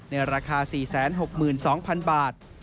ในราคา๔๖๒๐๐๐บาท